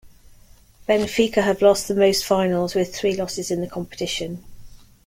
Benfica have lost the most finals, with three losses in the competition.